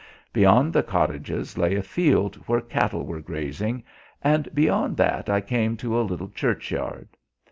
Beyond the cottages lay a field where cattle were grazing, and beyond that I came to a little churchyard.